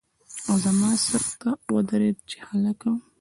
او زما سر ته ودرېد چې هلکه!